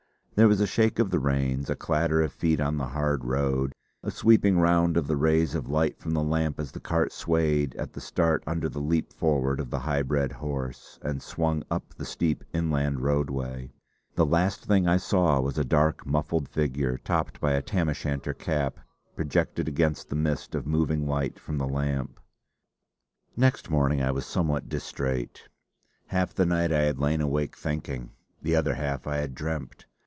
There was a shake of the reins, a clatter of feet on the hard road, a sweeping round of the rays of light from the lamp as the cart swayed at the start under the leap forward of the high bred horse and swung up the steep inland roadway. The last thing I saw was a dark, muffled figure, topped by a tam o' shanter cap, projected against the mist of moving light from the lamp. Next morning I was somewhat distrait. Half the night I had lain awake thinking; the other half I had dreamt.